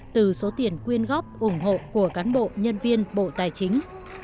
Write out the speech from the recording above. từ số tiền quyên góp ủng hộ của cán bộ nhân viên bộ tài chính